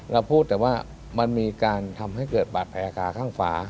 เราพูดแต่ว่ามันมีการทำให้เกิดบาดแผลข้างฝา